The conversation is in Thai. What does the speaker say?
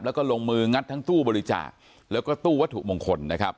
แล้วก็ลงมืองัดทั้งตู้บริจาคแล้วก็ตู้วัตถุมงคลนะครับ